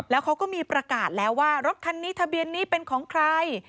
แล้วเขาก็มีประกาศแล้วว่ารถคันนี้ทะเบียนนี้เป็นของใคร